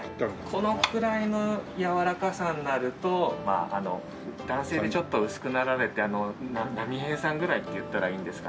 このくらいのやわらかさになるとまあ男性でちょっと薄くなられて波平さんぐらいっていったらいいんですかね。